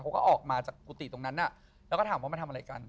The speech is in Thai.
เขาก็ออกมาจากกุฏิตรงนั้นแล้วก็ถามว่ามาทำอะไรกัน